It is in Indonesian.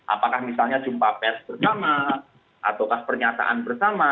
apakah misalnya jumpa pers bersama ataukah pernyataan bersama